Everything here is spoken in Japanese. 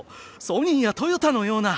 ソニーやトヨタのような！